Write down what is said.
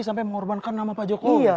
sampai mengorbankan nama pak jokowi